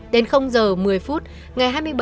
đến h một mươi phút ngày hai mươi bảy tháng ba